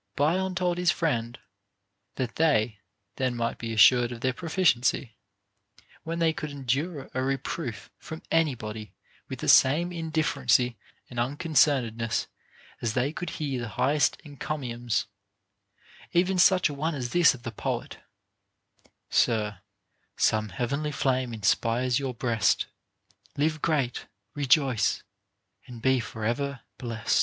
Bion told his friend, that they then might be assured of their proficiency, when they could endure a reproof from anybody with the same indifferency and unconcernedness as they could hear the highest encomiums, even such a one as this of the poet: Sir, Some heavenly flame inspires your breast ; Live great, rejoice, and be for ever blest.